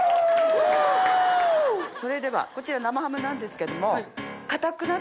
それではこちら生ハムなんですけども。